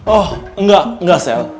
oh enggak enggak sel